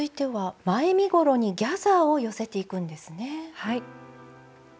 はい。